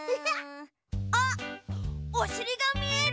あっおしりがみえる！